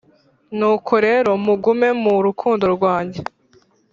Nuko rero mugume mu rukundo rwanjye